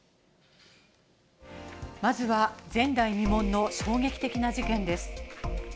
まずは、前代未聞の衝撃的な事件です。